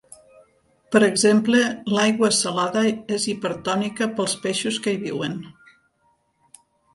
Per exemple, l'aigua salada és hipertònica per als peixos que hi viuen.